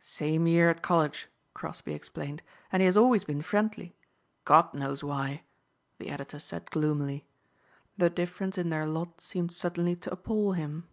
"Same year at college," Crosbeigh explained, "and he has always been friendly. God knows why," the editor said gloomily. The difference in their lot seemed suddenly to appal him.